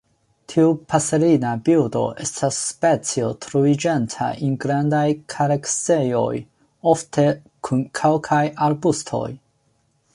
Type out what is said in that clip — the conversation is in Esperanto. Tiu paserina birdo estas specio troviĝanta en grandaj kareksejoj, ofte kun kelkaj arbustoj.